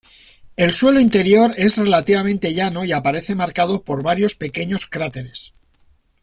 El suelo interior es relativamente llano y aparece marcado por varios pequeños cráteres.